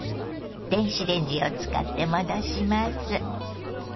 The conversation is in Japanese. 電子レンジを使って戻します。